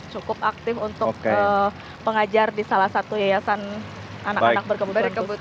cukup aktif untuk pengajar di salah satu yayasan anak anak berkebut berkebutuhan